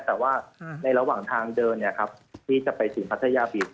แต่ว่าในระหว่างทางเดินที่จะไปถึงพัทยาบีช